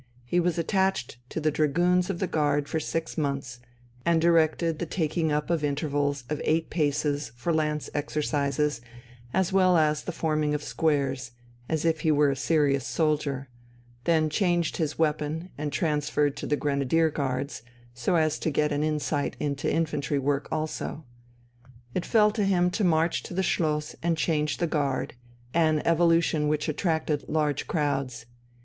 He was attached to the Dragoons of the Guard for six months, and directed the taking up of intervals of eight paces for lance exercises as well as the forming of squares, as if he were a serious soldier; then changed his weapon and transferred to the Grenadier Guards, so as to get an insight into infantry work also. It fell to him to march to the Schloss and change the Guard an evolution which attracted large crowds.